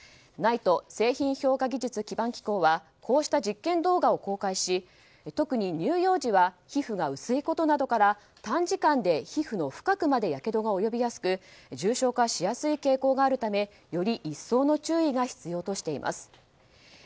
ＮＩＴＥ・製品評価技術基盤機構はこうした実験動画を公開し特に乳幼児は皮膚が薄いことなどから短時間で皮膚の深くまでやけどが及びやすく重傷化しやすい傾向があるためより一層の注意が必要としています。